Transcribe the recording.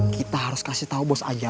kita harus kasih tahu bos aja